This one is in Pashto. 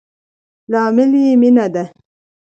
لامل يي مينه ده